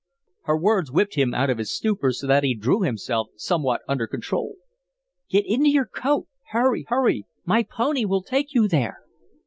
Her words whipped him out of his stupor so that he drew himself somewhat under control. "Get into your coat. Hurry! Hurry! My pony will take you there."